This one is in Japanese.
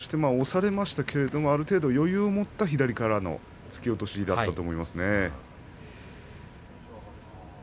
そして、押されましたけれどもある程度、余裕を持った左からの突き落としだったと思います。